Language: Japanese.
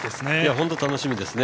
本当に楽しみですね。